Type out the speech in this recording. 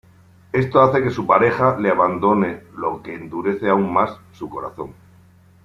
Esto hace que su pareja le abandone lo que endurece aún más su corazón.